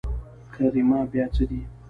کريمه بيا څه دي.